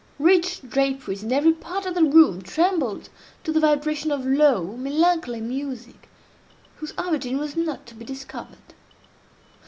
Rich draperies in every part of the room trembled to the vibration of low, melancholy music, whose origin was not to be discovered.